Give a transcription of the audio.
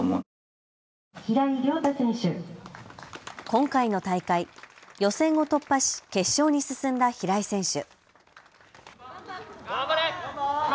今回の大会、予選を突破し決勝に進んだ平井選手。